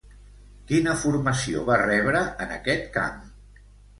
Quina formació va rebre en aquest camp?